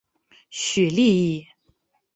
许力以。